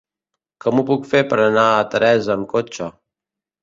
Com ho puc fer per anar a Teresa amb cotxe?